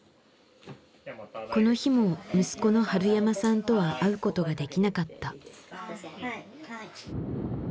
この日も息子の春山さんとは会うことができなかった。